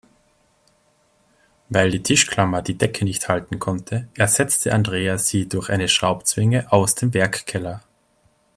Weil die Tischklammer die Decke nicht halten konnte, ersetzte Andreas sie durch eine Schraubzwinge aus dem Werkkeller.